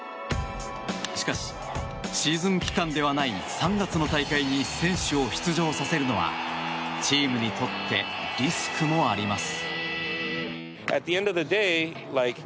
しかし、シーズン期間ではない３月の大会に選手を出場させるのはチームにとってリスクもあります。